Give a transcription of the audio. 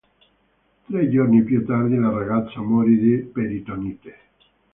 Tre giorni più tardi la ragazza morì di peritonite.